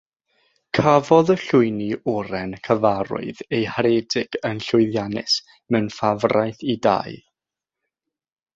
Cafodd y llwyni oren cyfarwydd eu haredig yn llwyddiannus mewn ffafraeth i dai.